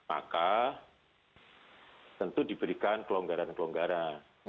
maka tentu diberikan kelonggaran kelonggaran